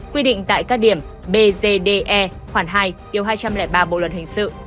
quy định tại các điểm bzde khoảng hai hai trăm linh ba bộ luật hình sự